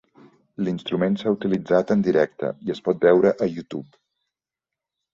L'instrument s'ha utilitzat en directe i es pot veure a YouTube.